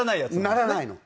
ならないの。